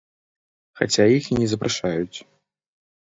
Хаця іх і не запрашаюць.